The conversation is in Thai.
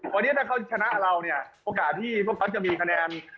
วันนี้ถ้าเขาชนะเราเนี่ยโอกาสที่พวกเขาจะมีคะแนน